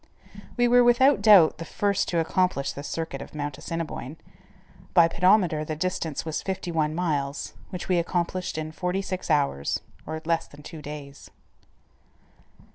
We were without doubt the first to accomplish the circuit of Mount Assiniboine. By pedometer, the distance was fifty one miles, which we accomplished in forty six hours, or less than two days.